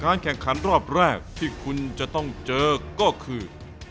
แข่งขันรอบแรกที่คุณจะต้องเจอก็คือ